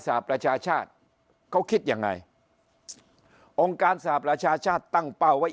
หประชาชาติเขาคิดยังไงองค์การสหประชาชาติตั้งเป้าไว้